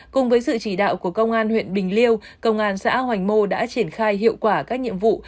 cùng với sự chỉ đạo của công an huyện bình liêu công an xã hoành mô đã triển khai hiệu quả các nhiệm vụ